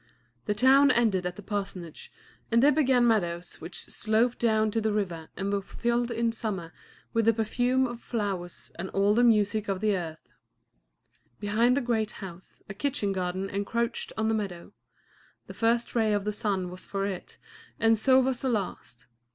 The town ended at the parsonage, and there began meadows which sloped down to the river and were filled in summer with the perfume of flowers and all the music of the earth. Behind the great house a kitchen garden encroached on the meadow. The first ray of the sun was for it, and so was the last.